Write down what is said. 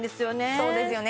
そうですよね